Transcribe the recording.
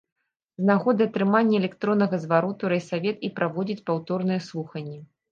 З нагоды атрымання электроннага звароту райсавет і праводзіць паўторныя слуханні.